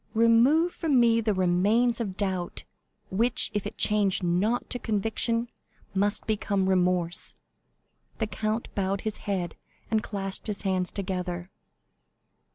Remove from me the remains of doubt, which, if it change not to conviction, must become remorse!" The count bowed his head, and clasped his hands together.